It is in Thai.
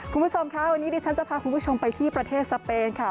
คุณผู้ชมค่ะวันนี้ดิฉันจะพาคุณผู้ชมไปที่ประเทศสเปนค่ะ